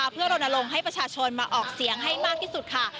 เพื่อรณรงค์ให้ประชาชนมาออกเสียงให้มากที่สุดค่ะ